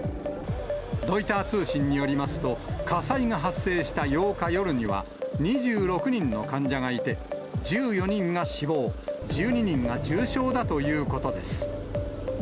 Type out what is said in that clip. ロイター通信によりますと、火災が発生した８日夜には、２６人の患者がいて、１４人が死亡、１２人が重傷だということです。